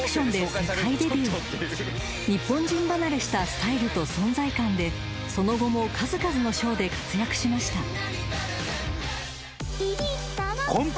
［日本人離れしたスタイルと存在感でその後も数々のショーで活躍しました］